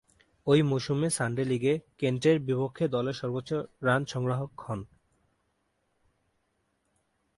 ঐ মৌসুমে সানডে লীগে কেন্টের বিপক্ষে দলের সর্বোচ্চ রান সংগ্রাহক হন।